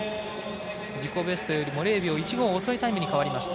自己ベストよりも０秒１５遅いタイムに変わりました。